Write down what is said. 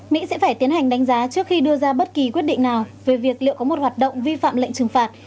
mỹ sẽ phải tiến hành đánh giá trước khi đưa ra bất kỳ quyết định nào về việc liệu có một hoạt động vi phạm lệnh trừng phạt